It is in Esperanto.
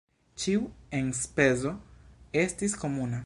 Ĉiu enspezo estis komuna.